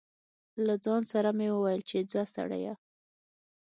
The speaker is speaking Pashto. له ځان سره مې و ویل چې ځه سړیه.